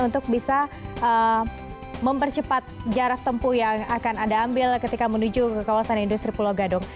untuk bisa mempercepat jarak tempuh yang akan anda ambil ketika menuju ke kawasan industri pulau gadung